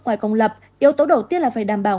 ngoài công lập yếu tố đầu tiên là phải đảm bảo